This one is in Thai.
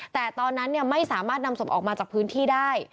แต่ตอนนั้นไม่สามารถนำศพออกมาจากพื้นที่ได้